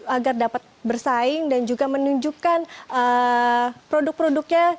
agar dapat bersaing dan juga menunjukkan produk produknya